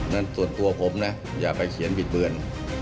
ส่วนตัวผมนะอย่าไปเขียนบิดเบือน